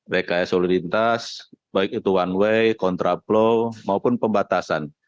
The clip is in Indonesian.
reka soliditas baik itu one way kontraplow maupun pembatasan